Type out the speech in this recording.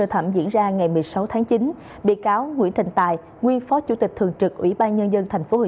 hãy đăng ký kênh để ủng hộ kênh của mình nhé